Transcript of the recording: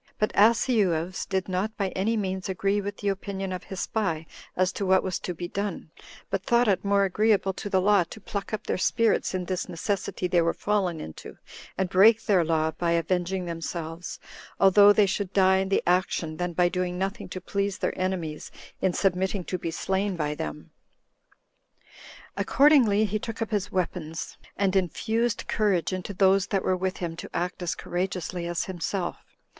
But Asineus did not by any means agree with the opinion of his spy as to what was to be done, but thought it more agreeable to the law to pluck up their spirits in this necessity they were fallen into, and break their law by avenging themselves, although they should die in the action, than by doing nothing to please their enemies in submitting to be slain by them. Accordingly, he took up his weapons, and infused courage into those that were with him to act as courageously as himself.